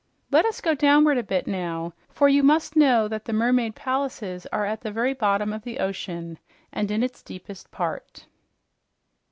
Let us go downward a bit, now, for you must know that the mermaid palaces are at the very bottom of the ocean, and in its deepest part."